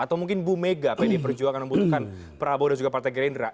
atau mungkin bu mega pdi perjuangan membutuhkan prabowo dan juga partai gerindra